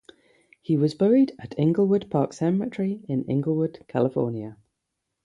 He was buried at Inglewood Park Cemetery in Inglewood, California.